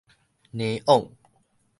嬭枉